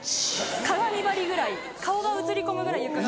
鏡張りぐらい顔が映り込むぐらい床が。